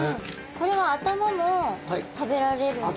これは頭も食べられるんですか？